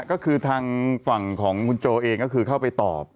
ก็คือทางฝั่งของคุณโจเองก็คือเข้าไปตอบ